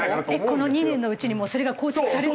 この２年のうちにもうそれが構築されていると？